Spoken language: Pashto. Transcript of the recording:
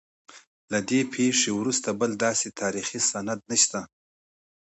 له دې پیښې وروسته بل داسې تاریخي سند نشته.